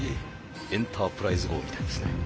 エンタープライズ号みたいですね。